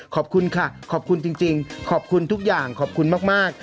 ขอบคุณค่ะขอบคุณจริงขอบคุณทุกอย่างขอบคุณมาก